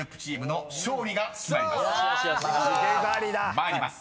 ［参ります。